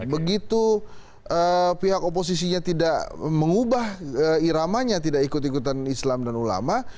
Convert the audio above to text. begitu pihak oposisinya tidak mengubah iramanya tidak ikut ikutan islam dan ulama